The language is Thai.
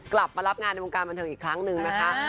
กลับมารับงานในวงการบันเทิงอีกครั้งหนึ่งนะคะ